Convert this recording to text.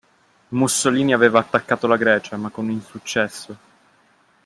Mussolini aveva attaccato la Grecia ma con insuccesso.